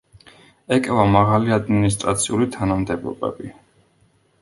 ეკავა მაღალი ადმინისტრაციული თანამდებობები.